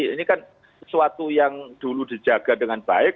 ini kan sesuatu yang dulu dijaga dengan baik